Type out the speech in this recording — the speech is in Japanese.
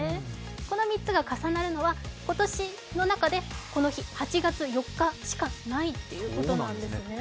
この３つが重なるのがこの日８月４日しかないということなんです。